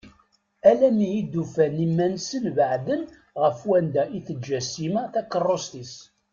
Alammi i d-ufan iman-nsen beɛden ɣef wanda i teǧǧa Sima takerrust-is.